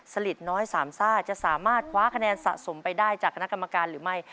ลิดน้อยสามซ่าจะสามารถคว้าคะแนนสะสมไปได้จากคณะกรรมการหรือไม่